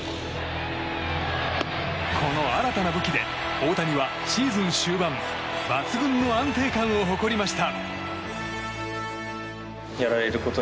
この新たな武器で大谷はシーズン終盤抜群の安定感を誇りました。